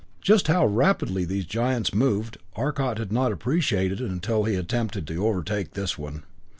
Just how rapidly these giants moved, Arcot had not appreciated until he attempted to overtake this one.